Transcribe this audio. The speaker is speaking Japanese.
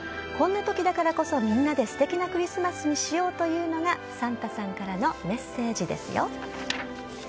こんなときだからこそみんなですてきなクリスマスにしようというのがサンタさんからのメッセージですよ。